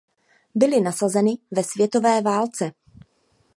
Byly nasazeny ve světové válce.